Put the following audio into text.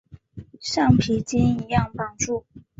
橡皮筋一样绑住